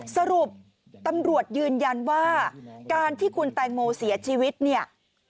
สรุปตำรวจยืนยันว่าการที่คุณแตงโมเสียชีวิตเนี่ย